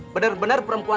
dan bos pengen yang natural